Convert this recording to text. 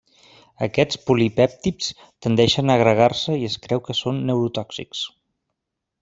Aquests polipèptids tendeixen a agregar-se i es creu que són neurotòxics.